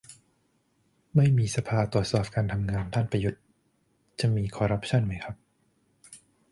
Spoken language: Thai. ไม่มีสภาตรวจสอบการทำงานท่านประยุทธ์ จะมีคอรัปชั่นไหมครับ